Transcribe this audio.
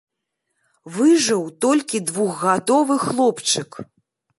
Выжыў толькі двухгадовы хлопчык.